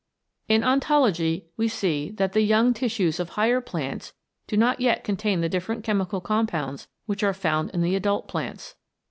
In Ontology we see that the young tissues of higher plants do not yet contain the different chemical compounds which are found in the adult plants.